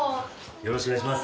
よろしくお願いします。